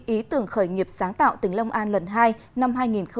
ý tưởng khởi nghiệp sáng tạo tỉnh long an lần hai năm hai nghìn hai mươi